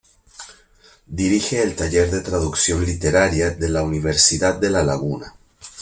Dirige el Taller de Traducción Literaria de la Universidad de La Laguna.